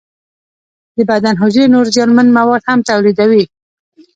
د بدن حجرې نور زیانمن مواد هم تولیدوي.